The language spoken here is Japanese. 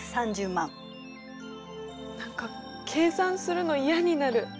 何か計算するの嫌になる。